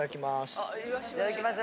いただきます。